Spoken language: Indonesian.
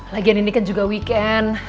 lagian ini kan juga weekend